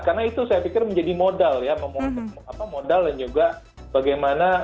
karena itu saya pikir menjadi modal ya modal dan juga bagaimana